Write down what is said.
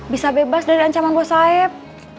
bisa bebas dari ancaman bos saeb